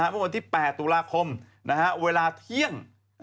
เมื่อวันที่๘ตุลาคมเวลาเที่ยง